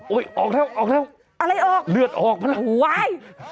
อุ๊ยออกแล้วออกแล้วเลือดออกเหรอโหว้ย